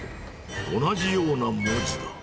同じような文字だ。